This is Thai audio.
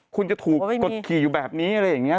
คุณจะถูกกดขี่อยู่แบบนี้อะไรอย่างนี้